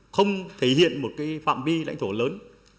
không thể hiện một phạm bi lãnh thổ lớn